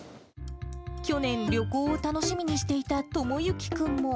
去年、旅行を楽しみにしていたともゆき君も。